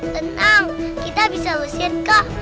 tenang kita bisa usir kak